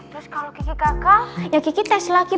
terus kalau kiki kakak ya kiki tes lagi